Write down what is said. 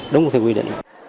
đúng theo quy định